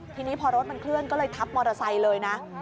ทีนี้พอรถมันเคลื่อนก็เลยทับมอเตอร์ไซค์เลยนะ